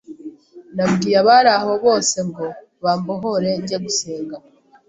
nabwiye abari aho bose ngo bambohore njye gusenga